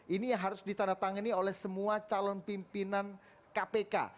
ini yang harus ditandatangani oleh semua calon pimpinan kpk